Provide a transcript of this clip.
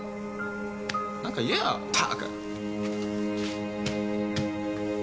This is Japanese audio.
何か言えよったく。